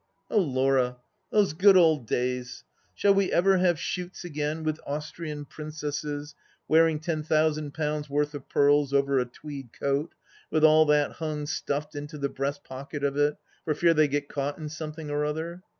.,. Oh, Laura, those good old days ! Shall we ever have shoots again with Austrian princesses wearing ten thousand poimds' worth of pearls over a tweed coat, with all that hung down stuffed into the breast pocket of it, for fear they caught in something or other.